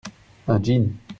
Un jean.